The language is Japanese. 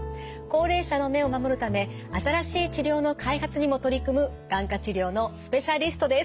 高齢者の目を守るため新しい治療の開発にも取り組む眼科治療のスペシャリストです。